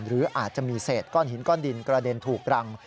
หรืออาจจะมีเศษก้อนหินก้อนดินกระเด็นถูกรัง